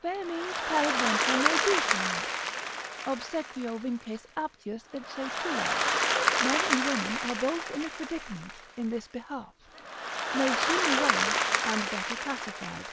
Fair means peradventure may do somewhat. Obsequio vinces aptius ipse tuo. Men and women are both in a predicament in this behalf, no sooner won, and better pacified.